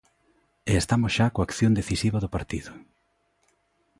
E estamos xa coa acción decisiva do partido.